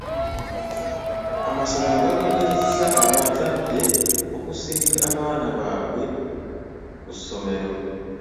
Amasomero gakubirizza abazadde okusindika abaana baabwe ku ssomero.